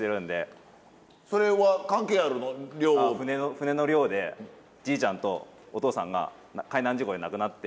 船の漁でじいちゃんとお父さんが海難事故で亡くなって。